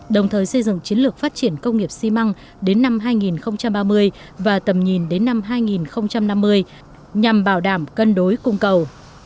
đồng thời xây dựng chiến lược phát triển công nghiệp xi măng đến năm hai nghìn ba mươi và tầm nhìn đến năm hai nghìn năm mươi nhằm bảo đảm cân đối cung cầu